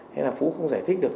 thế là phú không giải thích được